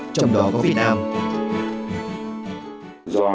trong đó có việt nam